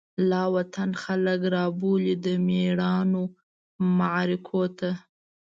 لاوطن خلک رابولی، دمیړانومعرکوته